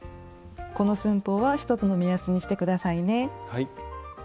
この寸法は１つの目安にして下さいね。